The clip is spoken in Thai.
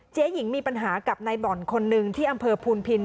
หญิงมีปัญหากับนายบ่อนคนหนึ่งที่อำเภอพูนพิน